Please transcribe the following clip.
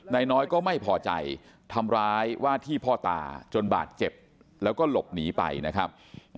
นายน้อยก็ไม่พอใจทำร้ายว่าที่พ่อตาจนบาดเจ็บแล้วก็หลบหนีไปนะครับ